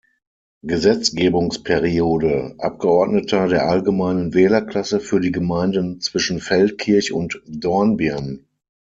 Gesetzgebungsperiode Abgeordneter der allgemeinen Wählerklasse für die Gemeinden zwischen Feldkirch und Dornbirn.